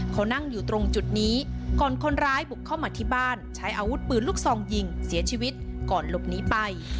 เขานั่งอยู่ตรงจุดนี้ก่อนคนร้ายบุกเข้ามาที่บ้านใช้อาวุธปืนลูกซองยิงเสียชีวิตก่อนหลบหนีไป